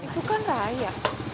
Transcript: itu kan raya